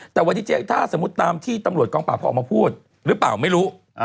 แต่วันนี้เจ๊ถ้าสมมุติตามที่ตำรวจกองปราบเขาออกมาพูดหรือเปล่าไม่รู้